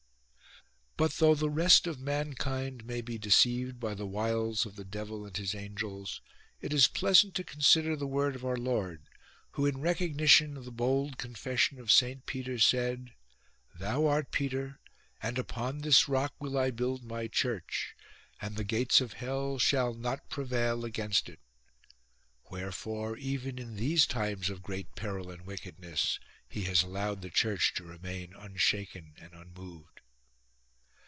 26. But though the rest of mankind may be deceived by the wiles of the devil and his angels, it is pleasant to consider the word of our Lord, who in recognition of the bold confession of Saint Peter said :—" Thou art Peter, and upon this rock will I build my church ; and the gates of hell shall not prevail against it." Wherefore even in these times of great peril and wickedness he has allowed the Church to remain unshaken and unmoved.